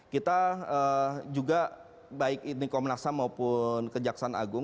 kita juga baik indri komnasam maupun kejaksanaan agung